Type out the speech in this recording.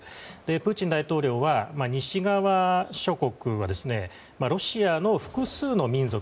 プーチン大統領は、西側諸国はロシアの複数の民族。